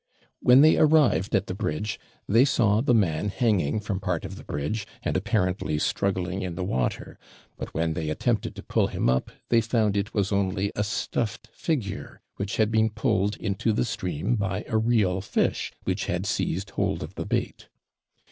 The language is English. When they arrived at the bridge, they saw the man hanging from part of the bridge, and apparently struggling in the water; but when they attempted to pull him up, they found it was only a stuffed figure which had been pulled into the stream by a real fish, which had seized hold of the bait.